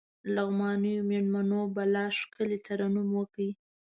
لغمانيو مېلمنو بلا ښکلی ترنم وکړ.